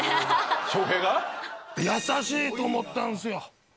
翔平が？と思ったんすよ。